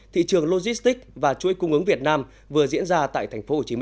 thị trường logistics và chuỗi cung ứng việt nam vừa diễn ra tại tp hcm